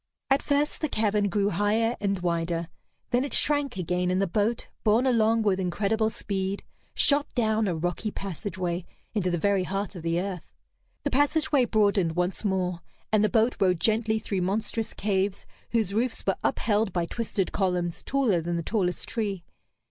At first the cavern grew higher and wider; then it shrank again, and the boat, borne along with incredible speed, shot down a rocky passageway into the very heart of the earth. The passageway broadened once more, and the boat rode gently through monstrous caves whose roofs were upheld by twisted columns taller than the tallest tree.